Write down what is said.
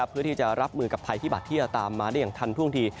เพื่อที่จะรับมือกับภัยพิบัตรที่จะตามมาได้อย่างทันท่วงที